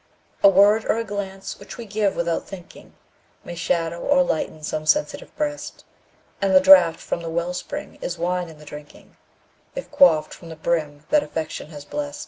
A word or a glance which we give "without thinking", May shadow or lighten some sensitive breast; And the draught from the well spring is wine in the drinking, If quaffed from the brim that Affection has blest.